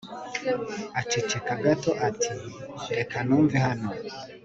aceceka gato ati 'reka mve hano